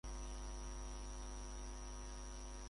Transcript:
Ahora vive en Montreal.